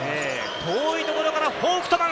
遠いところからフォウクトマン！